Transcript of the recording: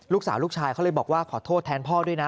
ลูกชายเขาเลยบอกว่าขอโทษแทนพ่อด้วยนะ